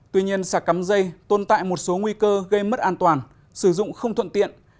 tuy nhiên sạc cắm dây tồn tại một số nguy cơ gây mất an toàn sử dụng không thuận tiện